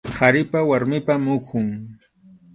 Qharipa warmipa muhun.